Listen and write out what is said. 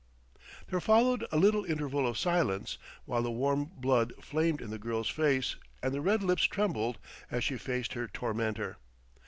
There followed a little interval of silence, while the warm blood flamed in the girl's face and the red lips trembled as she faced her tormentor.